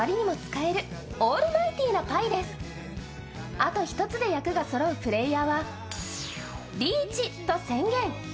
あと１つで役がそろうプレーヤーは「リーチ」と宣言。